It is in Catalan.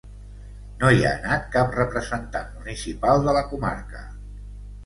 No hi ha anat cap representant municipal de la comarca.